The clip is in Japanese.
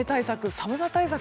寒さ対策